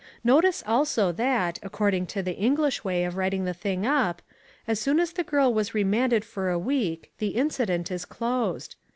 Notice also that, according to the English way of writing the thing up, as soon as the girl was remanded for a week the incident is closed.